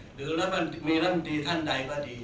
หรือมีร่ำดีท่านใดก็ดี